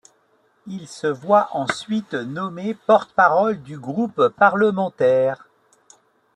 Il se voit ensuite nommé porte-parole du groupe parlementaire.